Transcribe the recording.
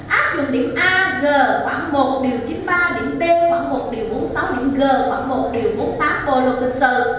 áp dụng điểm a g khoảng một điều chín mươi ba điểm b khoảng một điều bốn mươi sáu điểm g khoảng một điều bốn mươi tám vô lộ cân sở